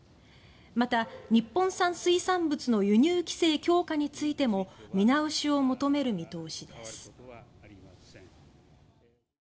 また、日本産水産物の輸入規制強化についても見直しを求める見通しです。